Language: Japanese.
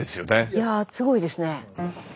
いやすごいですね。